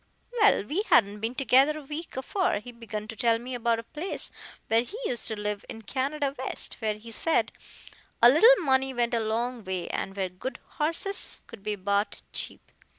Well, we hadn't been together a week afore he begun to tell me about a place where he used to live in Canada West, where he said a little money went a long way, and where good horses could be bought cheap.